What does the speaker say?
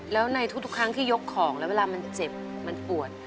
แล้วในทุกครั้งที่ยกของแล้วเวลามันเจ็บมันปวด